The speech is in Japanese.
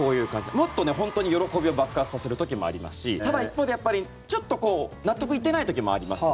もっと本当に喜びを爆発させる時もありますしただ一方で、ちょっと納得いっていない時もありますね